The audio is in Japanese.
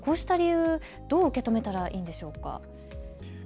こうした理由、どう受け止めたらいいですか。